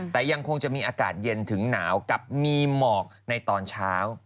แต่ยังคงจะมีอากาศเย็นถึงหนาวกับมีหมอกในตอนเช้า